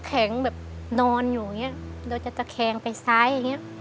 แข็งแบบนอนอยู่อย่างเงี้ยโดยจะตะแคงไปซ้ายอย่างเงี้ย